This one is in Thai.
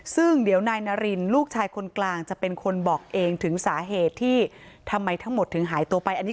ซึ่งเดี๋ยวนายนารินลูกชายคนกลางจะเป็นคนบอกเองถึงสาเหตุที่ทำไมทั้งหมดถึงหายตัวไปอันนี้